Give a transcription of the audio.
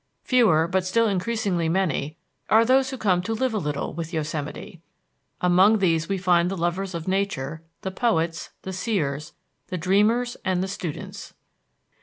Fewer, but still increasingly many, are those who come to live a little with Yosemite; among these we find the lovers of nature, the poets, the seers, the dreamers, and the students.